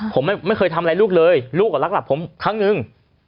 ผมไม่เคยทำอะไรลูกเลยลูกก็รักหลักผมครั้งนึง